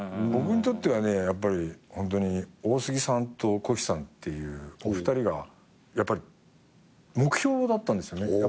僕にとってはねやっぱりホントに大杉さんとコヒさんっていうお二人が目標だったんですよね。